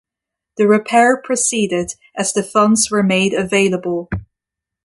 The repair proceeded as the funds were made available.